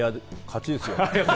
勝ちですよ。